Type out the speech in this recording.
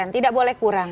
tidak boleh kurang